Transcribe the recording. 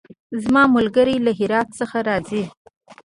زما ملګری له هرات څخه راځی